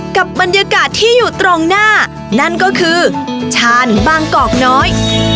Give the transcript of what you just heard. กับบรรยากาศที่อยู่ตรงหน้านั่นก็คือชานบางกอกน้อย